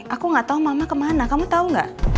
aku enggak tahu mama kemana kamu tahu enggak